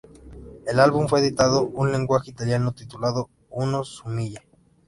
El álbum fue editado en lenguaje Italiano titulado "Uno su mille".